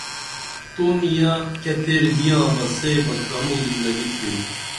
تو نِیہ کیہ تیر بِیاں بہ سے بہ کنوں زندگی تِھیو